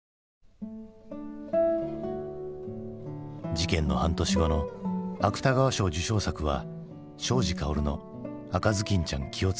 事件の半年後の芥川賞受賞作は庄司薫の「赤頭巾ちゃん気をつけて」。